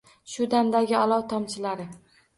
Shu damdagi olov tomchilar